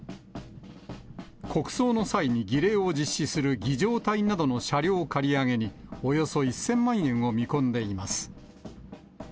国葬の際に儀礼を実施する儀じょう隊などの車両借り上げにおよそ１０００万円を見込んでいます。